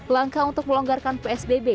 langkah untuk melonggarkan psbb juga harus diketahui